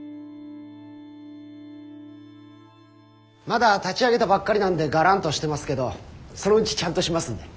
まだ立ち上げたばっかりなんでガランとしてますけどそのうちちゃんとしますんで。